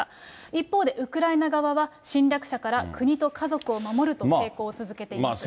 一方でウクライナ側は、侵略者から国と家族を守ると抵抗を続けています。